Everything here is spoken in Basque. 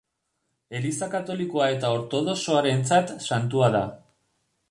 Eliza Katolikoa eta Ortodoxoarentzat santua da.